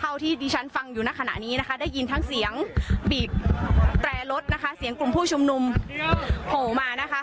เท่าที่ดิฉันฟังอยู่ในขณะนี้นะคะได้ยินทั้งเสียงบีบแตรรถนะคะเสียงกลุ่มผู้ชุมนุมโผล่มานะคะ